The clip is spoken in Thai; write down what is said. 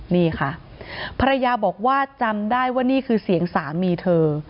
นี่ค่ะภรรยาบอกว่าจำได้ว่านี่คือเสียงสามีเธอ